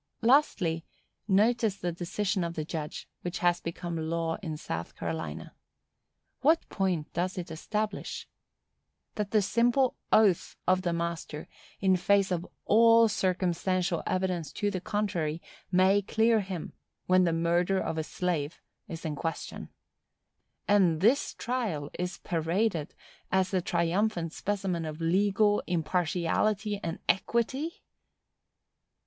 Lastly, notice the decision of the judge, which has become law in South Carolina. What point does it establish? That the simple oath of the master, in face of all circumstantial evidence to the contrary, may clear him, when the murder of a slave is the question. And this trial is paraded as a triumphant specimen of legal impartiality and equity!